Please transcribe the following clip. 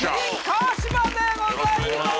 麒麟・川島でございます